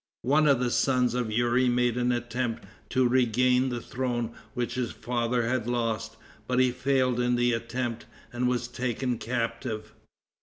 One of the sons of Youri made an attempt to regain the throne which his father had lost, but he failed in the attempt, and was taken captive.